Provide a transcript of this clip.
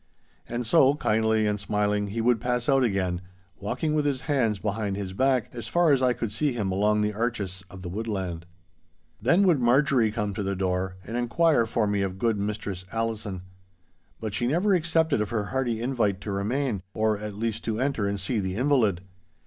And so, kindly and smiling, he would pass out again, walking with his hands behind his back as far as I could see him along the arches of the woodland. Then would Marjorie come to the door, and inquire for me of good Mistress Allison. But she never accepted of her hearty invite to remain—or, at least, to enter and see the invalid.